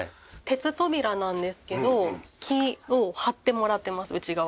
鉄扉なんですけど木を貼ってもらってます内側だけ。